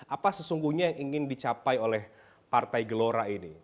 apa sesungguhnya yang ingin dicapai oleh partai gelora ini